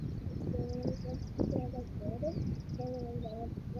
汉堡包是由两片面包夹肉饼而成。